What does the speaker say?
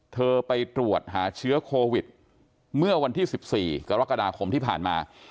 เธอไปตรวจหาเชื้อโควิดเมื่อวันที่๑๔กรกฎาคมที่ผ่านมา